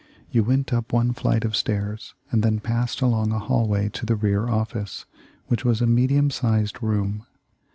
You went up one flight of stairs and then passed along a hallway to the rear office, which was a medium sized room.